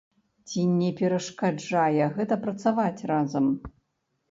Ці не перашкаджае гэта працаваць разам?